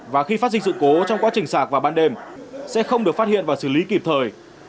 và khi phát sinh sự cố trong quá trình sạc vào ban đêm sẽ không được phát hiện và xử lý kịp thời